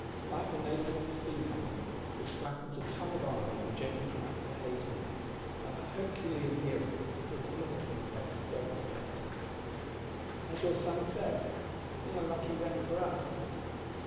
Like the Nasmyth steam hammer, which flattens a ton of iron or gently cracks a hazel nut, our Herculean hero could accommodate himself to circumstances; "as your son says, it has been a lucky wreck for us."